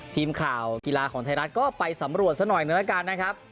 ทีมข่าวกีฬาของไทยรัฐก็ไปสำรวจซะหน่อยหนึ่งแล้วกันนะครับ